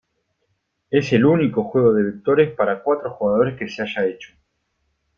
Es el único juego de vectores para cuatro jugadores que se haya hecho.